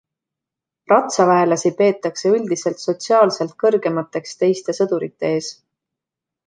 Ratsaväelasi peetakse üldiselt sotsiaalselt kõrgemateks teiste sõdurite ees.